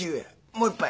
もう１杯。